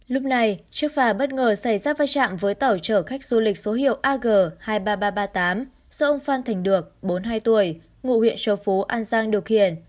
lúc này chiếc phà bất ngờ xảy ra vai trạm với tàu chở khách du lịch số hiệu ag hai mươi ba nghìn ba trăm ba mươi tám do ông phan thành được bốn mươi hai tuổi ngụ huyện châu phú an giang điều khiển